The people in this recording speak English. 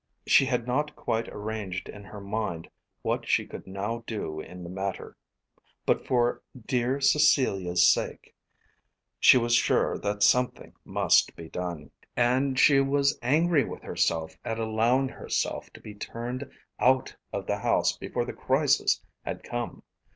She had not quite arranged in her mind what she could now do in the matter, but for "dear Cecilia's" sake she was sure that something must be done. And she was angry with herself at allowing herself to be turned out of the house before the crisis had come.